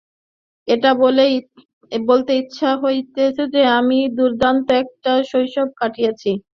এটা বলতে ইচ্ছা হচ্ছিল যে, আমি দুর্দান্ত একটা শৈশব কাটিয়েছি।